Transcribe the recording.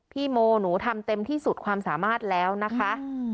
พี่โมหนูทำเต็มที่สุดความสามารถแล้วนะคะ